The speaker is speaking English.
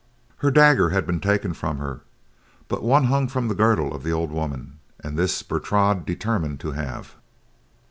Her dagger had been taken from her, but one hung from the girdle of the old woman and this Bertrade determined to have.